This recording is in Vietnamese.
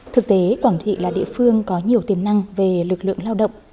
thực tế quảng trị là địa phương có nhiều tiềm năng về lực lượng lao động